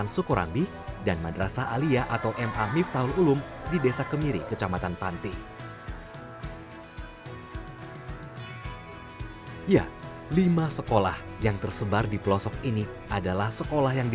sebenarnya fasilitas apa sih yang dibutuhkan di sekolah ini